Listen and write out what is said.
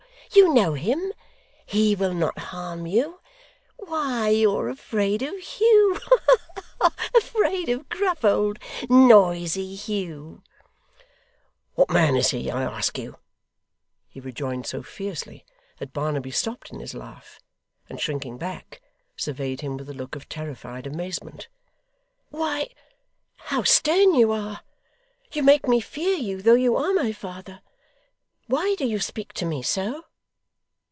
You know him. HE will not harm you. Why, you're afraid of Hugh! Ha ha ha! Afraid of gruff, old, noisy Hugh!' 'What man is he, I ask you,' he rejoined so fiercely, that Barnaby stopped in his laugh, and shrinking back, surveyed him with a look of terrified amazement. 'Why, how stern you are! You make me fear you, though you are my father. Why do you speak to me so?